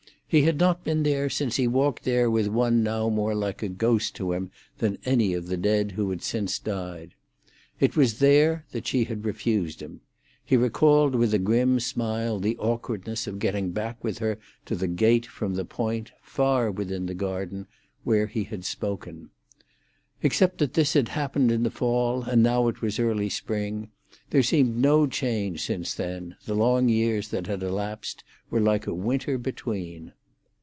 He had not been there since he walked there with one now more like a ghost to him than any of the dead who had since died. It was there that she had refused him; he recalled with a grim smile the awkwardness of getting back with her to the gate from the point, far within the garden, where he had spoken. Except that this had happened in the fall, and now it was early spring, there seemed no change since then; the long years that had elapsed were like a winter between.